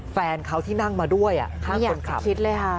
แฟนเขาที่นั่งมาด้วยไม่คนขับชิดเลยค่ะ